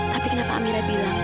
tapi kenapa amira bilang